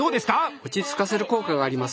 落ち着かせる効果があります。